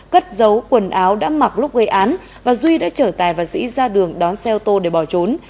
cất dấu quần áo đã mặc lúc gây án và duy đã chở tài và sĩ ra đường đón xe ô tô để bỏ trốn